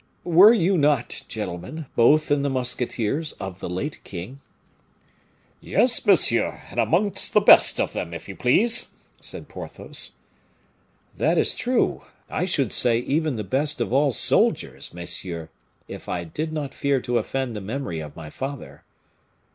"Were you not, gentlemen, both in the musketeers of the late king?" "Yes, monsieur, and amongst the best of them, if you please," said Porthos. "That is true; I should say even the best of all soldiers, messieurs, if I did not fear to offend the memory of my father."